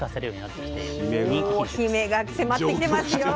もう姫が迫ってきてますよ。